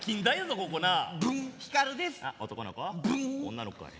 女の子かい。